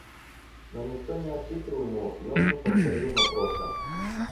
Но никто не ответил ему, и он не повторил вопроса.